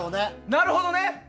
なるほどね。